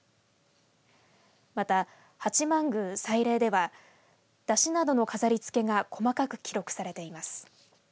また八幡宮祭礼では山車などの飾りつけが細かく記録されています。